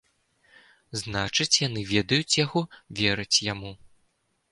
Значыць, яны ведаюць яго, вераць яму.